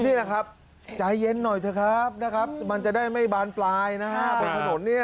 นี่นะครับใจเย็นหน่อยเถอะครับนะครับมันจะได้ไม่บานปลายนะครับ